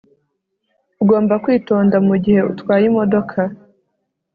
Ugomba kwitonda mugihe utwaye imodoka